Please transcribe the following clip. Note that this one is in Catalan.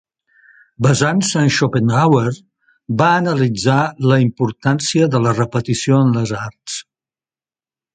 Basant-se en Schopenhauer, va analitzar la importància de la repetició en les arts.